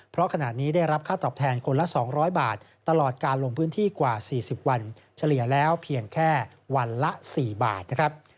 เพราะขณะนี้ได้รับค่าตอบแทนคนละ๒๐๐บาทตลอดการลงพื้นที่กว่า๔๐วันเฉลี่ยแล้วเพียงแค่วันละ๔บาทนะครับ